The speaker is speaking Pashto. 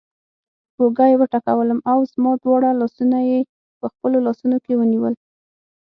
پر اوږه یې وټکولم او زما دواړه لاسونه یې په خپلو لاسونو کې ونیول.